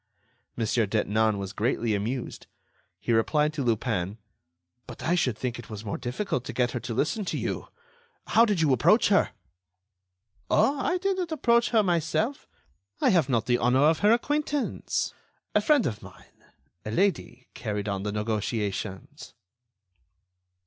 Mon. Detinan was greatly amused. He replied to Lupin: "But I should think it was more difficult to get her to listen to you. How did you approach her?" "Oh! I didn't approach her myself. I have not the honor of her acquaintance. A friend of mine, a lady, carried on the negotiations."